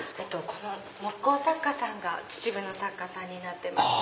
木工作家さんが秩父の作家さんになってますね。